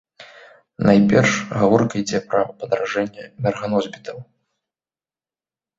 Найперш, гаворка ідзе пра падаражэнне энерганосьбітаў.